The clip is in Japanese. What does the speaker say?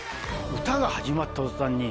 歌が始まったとたんに、